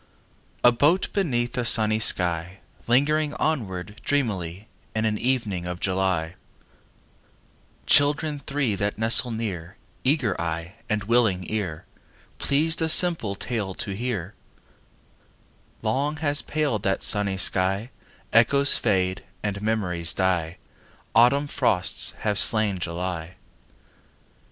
A boat beneath a sunny sky, Lingering onward dreamily In an evening of July— Children three that nestle near, Eager eye and willing ear, Pleased a simple tale to hear— Long has paled that sunny sky: Echoes fade and memories die. Autumn frosts have slain July.